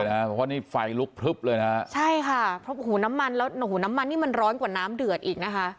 เพราะว่านี่ไฟลุกพลึบเลยนะฮะใช่ค่ะเพราะหูน้ำมันแล้วโอ้โหน้ำมันนี่มันร้อนกว่าน้ำเดือดอีกนะคะ